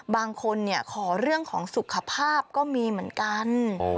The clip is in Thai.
บางคนขอเรื่องของสุขภาพก็มีเหมือนกัน